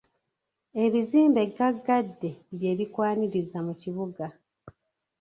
Ebizimbe gaggadde bye bikwaniriza mu kibuga.